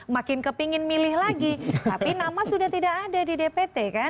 makin kepingin milih lagi tapi nama sudah tidak ada di dpt kan